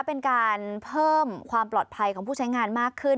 เป็นการเพิ่มความปลอดภัยของผู้ใช้งานมากขึ้น